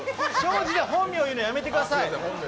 本名言うのやめてください。